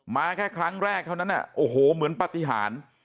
แค่ครั้งแรกเท่านั้นโอ้โหเหมือนปฏิหาร